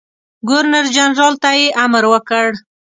ګورنرجنرال ته یې امر وکړ.